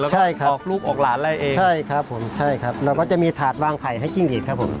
ใช่ครับใช่ครับใช่ครับแล้วก็จะมีถาดวางไข่ให้จิ้งลีดครับผม